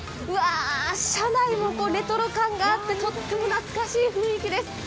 うわ、車内もレトロ感があってとっても懐かしい雰囲気です。